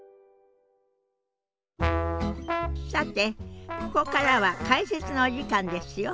さてここからは解説のお時間ですよ。